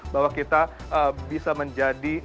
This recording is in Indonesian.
bahwa kita bisa menjadi